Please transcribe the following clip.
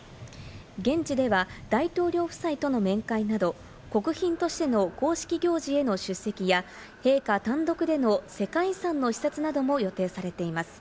現地では大統領夫妻との面会など、国賓としての公式行事への出席や陛下単独での世界遺産の視察なども予定されています。